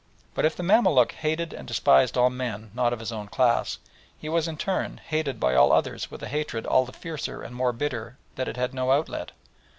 But if the Mamaluk hated and despised all men not of his own class, he was in turn hated by all others with a hatred all the fiercer and more bitter that it had no outlet.